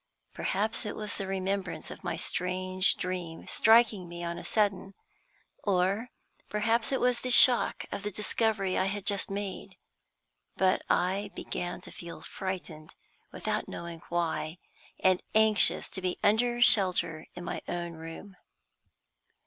Perhaps it was the remembrance of my strange dream striking me on a sudden, or perhaps it was the shock of the discovery I had just made, but I began to feel frightened without knowing why, and anxious to be under shelter in my own room.